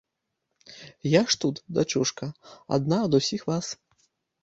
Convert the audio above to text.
Я ж тут, дачушка, адна ад усіх вас.